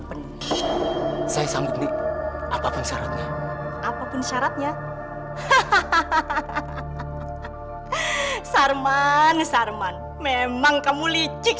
penuh saya sambut nih apapun syaratnya apapun syaratnya hahaha sarman sarman memang kamu licik